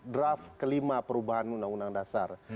draft kelima perubahan undang undang dasar